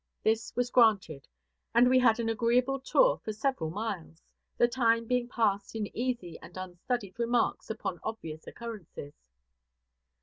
This was granted; and we had an agreeable tour for several miles, the time being passed in easy and unstudied remarks upon obvious occurrences.